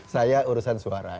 saya urusan suara